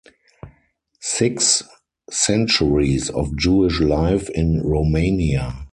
Six centuries of Jewish life in Romania.